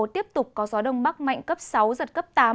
tiếp tục có gió đông bắc mạnh cấp sáu giật cấp tám